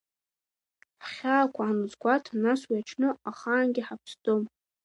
Ҳхьаақәа анузгәаҭа, нас уи аҽны, ахаангьы ҳаԥсӡом…